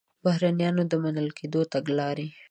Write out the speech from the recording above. د بهرنیانو د منل کېدلو تګلاره